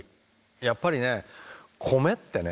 やっぱりね米ってね